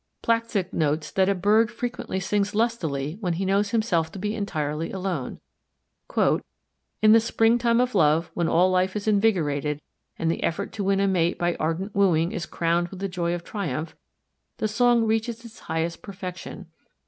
Placzeck notes that a bird frequently sings lustily when he knows himself to be entirely alone. "In the spring time of love, when all life is invigorated, and the effort to win a mate by ardent wooing is crowned with the joy of triumph, the song reaches its highest perfection.